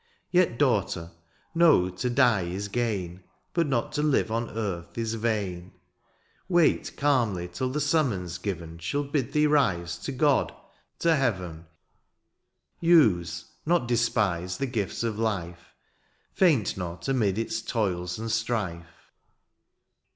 *^ Yet daughter, know to die is gain, ^^ But not to live on earth is vain. " Wait calmly till the summons given ^^ Shall bid thee rise to God, to heaven. THE ARBOPAGITfi. 33 '^ Use^ not dispise^ the gifts of life^ ^^ Faint not amid its toils and strife.